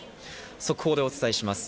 速報でお伝えします。